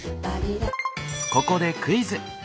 ここでクイズ！